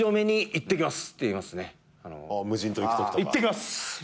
いってきます。